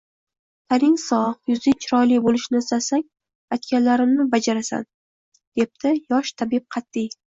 – Taning sog‘, yuzing chiroyli bo‘lishini istasang, aytganlarimni bajarasan, – debdi yosh tabib qat’iy